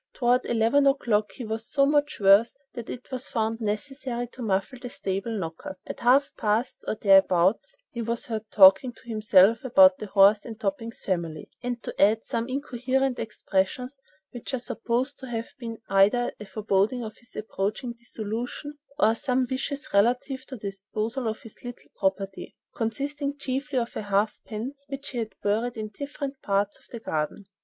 Toward eleven o'clock he was so much worse that it was found necessary to muffle the stable knocker. At half past, or thereabouts, he was heard talking to himself about the horse and Topping's family, and to add some incoherent expressions which are supposed to have been either a foreboding of his approaching dissolution or some wishes relative to the disposal of his little property, consisting chiefly of half pence which he had buried in different parts of the garden.